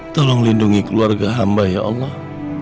tolong lindungi keluarga hamba ya allah